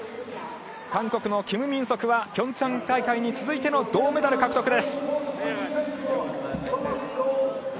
韓国のキム・ミンソクは平昌大会に続いての銅メダル獲得。